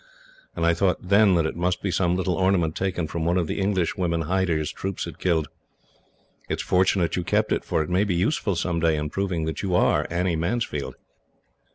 and I thought, then, that it must be some little ornament taken from one of the Englishwomen Hyder's troops killed. It is fortunate you kept it, for it may be useful, someday, in proving that you are Annie Mansfield."